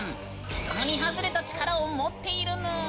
人並み外れた力を持っているぬん。